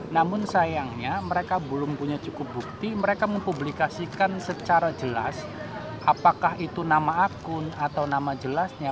namun sayangnya mereka belum punya cukup bukti mereka mempublikasikan secara jelas apakah itu nama akun atau nama jelasnya